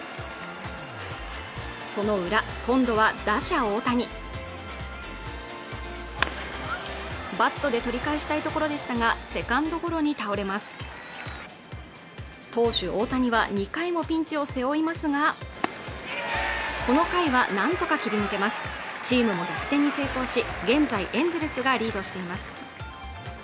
その裏今度は打者大谷バットで取り返したいところでしたがセカンドゴロに倒れます投手大谷は２回もピンチを背負いますがこの回はなんとか切り抜けますチームも逆転に成功し現在エンゼルスがリードしています